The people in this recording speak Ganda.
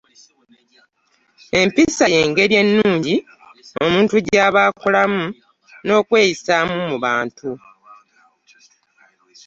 Empisa ye ngeri ennungi omuntu gy’aba akolamu n’okweyisaamu mu bantu.